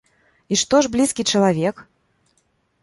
І што ж блізкі чалавек?